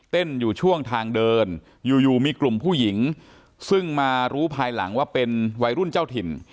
อยู่ช่วงทางเดินอยู่อยู่มีกลุ่มผู้หญิงซึ่งมารู้ภายหลังว่าเป็นวัยรุ่นเจ้าถิ่น